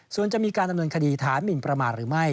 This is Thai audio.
ส่วนจะมีการดำเนินคดีฐานหมินประมาทหรือไม่